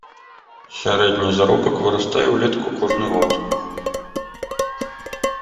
Сярэдні заробак вырастае ўлетку кожны год.